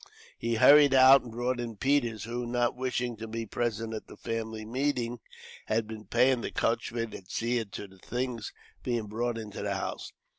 He hurried out and brought in Peters; who, not wishing to be present at the family meeting, had been paying the coachman, and seeing to the things being brought into the house.